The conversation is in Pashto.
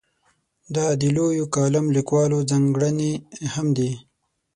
دا د لویو کالم لیکوالو ځانګړنې هم دي.